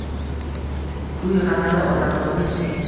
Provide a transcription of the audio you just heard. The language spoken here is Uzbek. Kuy, g’azali odamzodning